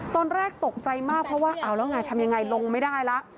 ตอนแรกตกใจมากเพราะว่าเอาแล้วไงทำยังไงลงไม่ได้แล้ว